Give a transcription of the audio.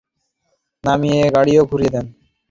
আসার পথে টঙ্গী সেতুর কাছে পুলিশ যাত্রী নামিয়ে গাড়িও ঘুরিয়ে দেয়।